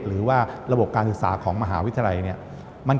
หรือว่าระบบการศึกษาของมหาวิทยาลัยเนี่ย